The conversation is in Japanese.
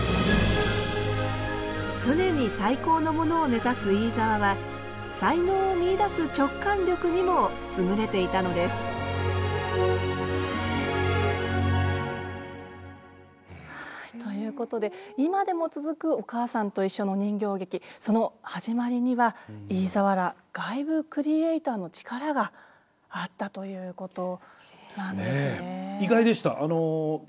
常に最高のものを目指す飯沢は才能を見いだす直感力にも優れていたのですはいということで今でも続く「おかあさんといっしょ」の人形劇その始まりには飯沢ら外部クリエイターの力があったということなんですね。